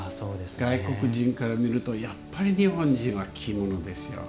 外国人から見るとやっぱり日本人は着物ですよ。